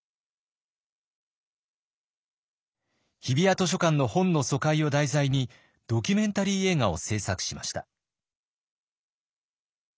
日比谷図書館の本の疎開を題材にドキュメンタリー映画を製作しました。